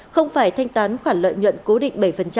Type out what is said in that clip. không phải thanh toán khoản lợi nhuận cố định bảy